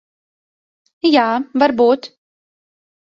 Jā, varbūt.